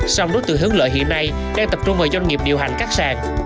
song đối tượng hướng lợi hiện nay đang tập trung vào doanh nghiệp điều hành các sàn